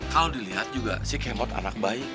kalau dilihat juga si k mod anak baik